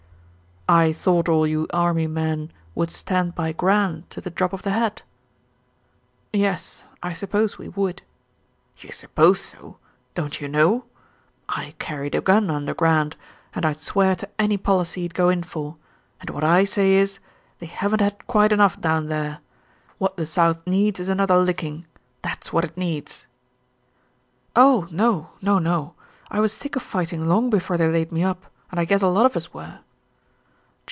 "I thought all you army men would stand by Grant to the drop of the hat." "Yes, I suppose we would." "You suppose so! Don't you know? I carried a gun under Grant, and I'd swear to any policy he'd go in for, and what I say is, they haven't had quite enough down there. What the South needs is another licking. That's what it needs." "Oh, no, no, no. I was sick of fighting, long before they laid me up, and I guess a lot of us were."